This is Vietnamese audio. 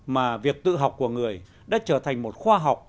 mà việc tự học của người đã trở thành một khoa học